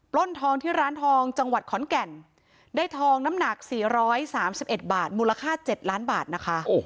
ล้นทองที่ร้านทองจังหวัดขอนแก่นได้ทองน้ำหนัก๔๓๑บาทมูลค่า๗ล้านบาทนะคะ